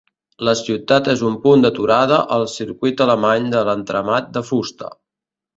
La ciutat és un punt d'aturada al circuit alemany de l'entramat de fusta.